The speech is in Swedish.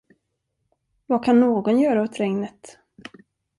Vad kan någon göra åt regnet?